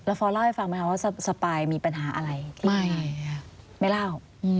ฟอร์เล่าให้ฟังไหมคะว่าสปายมีปัญหาอะไรไม่ไม่เล่า